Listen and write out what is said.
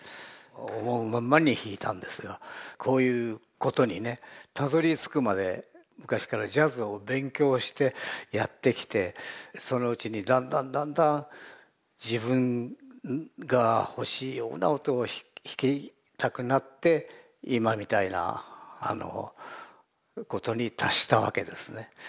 思うままに弾いたんですがこういうことにねたどりつくまで昔からジャズを勉強してやってきてそのうちにだんだんだんだん自分が欲しいような音を弾きたくなって今みたいなことに達したわけですね。